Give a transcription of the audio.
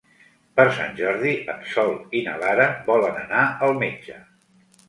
Per Sant Jordi en Sol i na Lara volen anar al metge.